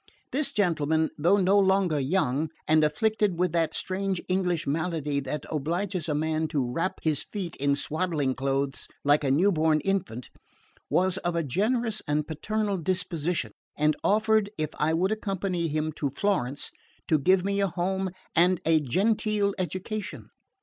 This gentleman, though no longer young, and afflicted with that strange English malady that obliges a man to wrap his feet in swaddling clothes like a new born infant, was of a generous and paternal disposition, and offered, if I would accompany him to Florence, to give me a home and a genteel education.